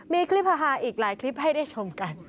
มีคลิปฮาอีกหลายคลิปให้ได้ชมกัน